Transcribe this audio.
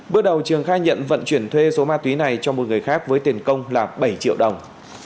bước đầu trường khai nhận vận chuyển thuê số ma túy này cho một người khác với tiền công là bảy triệu đồng